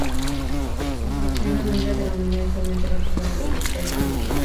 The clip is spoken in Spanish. Construcción redonda que domina visualmente las plazas de los Altares y del Tiempo.